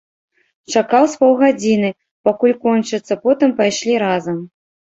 Чакаў з паўгадзіны, пакуль кончыцца, потым пайшлі разам.